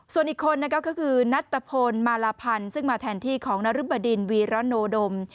ส่วนอีกคนก็คือนัตตะพลมาลาพันธ์ซึ่งมาแทนที่ของนรึบดินวีรโนดม